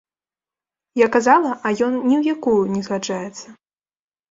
Я казала, а ён ні ў якую не згаджаецца.